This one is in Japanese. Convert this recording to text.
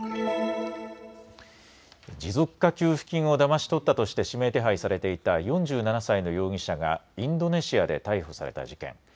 持続化給付金をだまし取ったとして指名手配されていた４７歳の容疑者がインドネシアで逮捕された事件。